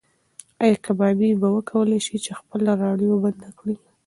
ایا کبابي به وکولی شي چې خپله راډیو بنده کړي؟